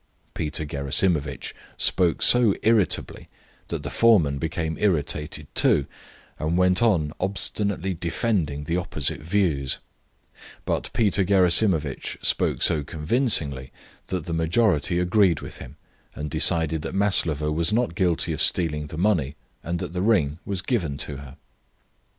Peter Gerasimovitch spoke so irritably that the foreman became irritated too, and went on obstinately defending the opposite views; but Peter Gerasimovitch spoke so convincingly that the majority agreed with him, and decided that Maslova was not guilty of stealing the money and that the ring was given her.